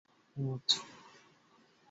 ক্যামিলি এটা করতে পারবে না।